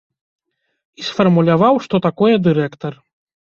І сфармуляваў, што такое дырэктар.